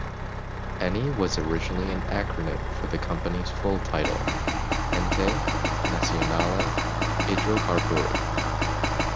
Eni originally was an acronym for the company's full title Ente Nazionale Idrocarburi.